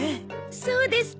そうですか？